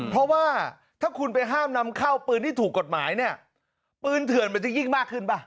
เพราะว่าถ้าคุณไปห้ามนำเข้าปืนที่ถูกกฎหมายเนี่ยปืนเถื่อนมันจะยิ่งมากขึ้นป่ะ